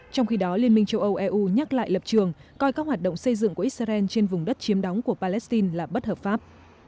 trong khi đó liên minh châu âu eu nhắc lại lập trường coi các hoạt động xây dựng của israel trên vùng đất chiếm đóng của palestine là bất hợp pháp